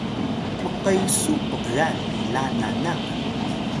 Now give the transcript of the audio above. mqesu pgan pila nanak